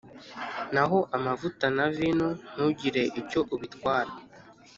naho amavuta na vino ntugire icyo ubitwara.